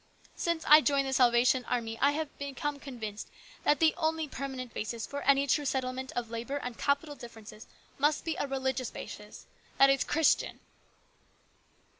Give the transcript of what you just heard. Since I joined the Salvation Army I have become convinced that the only permanent basis for any true settlement of labour and capital differences must be a religious basis ; that is, Christian."